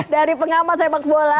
dari pengamat sepak bola